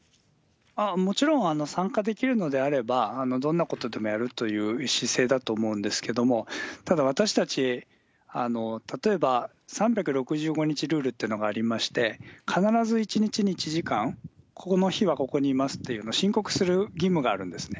もちろん参加できるのであれば、どんなことでもやるという姿勢だと思うんですけれども、ただ私たち、例えば、３６５日ルールっていうのがありまして、必ず１日に１時間、この日はここにいますっていうのを申告する義務があるんですね。